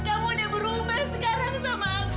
kamu udah berubah sekarang sama aku